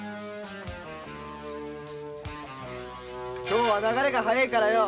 今日は流れが早いからよ。